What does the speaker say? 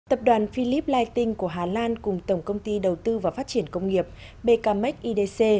tập đoàn philips lighting của hà lan cùng tổng công ty đầu tư và phát triển công nghiệp bkmac idc